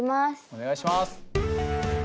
お願いします。